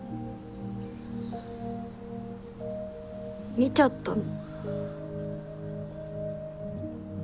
見ちゃったの。